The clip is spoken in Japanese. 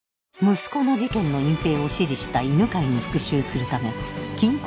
息子の事件の隠蔽を指示した犬飼に復讐するため金庫